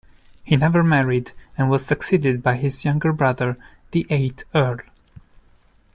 He never married and was succeeded by his younger brother, the eighth Earl.